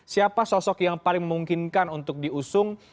siapa sosok yang paling memungkinkan untuk diusung